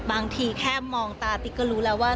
บางทีแค่มองตาติ๊กก็รู้แล้วว่า